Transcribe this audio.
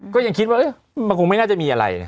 ก็ยังคิดว่ามันคงไม่น่าจะมีอะไรนะ